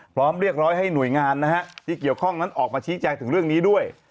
พร้อมเรียกร้อยให้หน่วยงานนะฮะที่เกี่ยวข้องนั้นออกมาชี้แจงถึงเรื่องนี้ด้วย